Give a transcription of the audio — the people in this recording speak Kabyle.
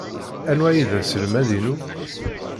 Anwa ay d aselmad-inu?